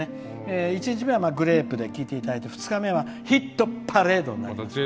１日目はグレープで聴いていただいて２日目はヒットパレードになります。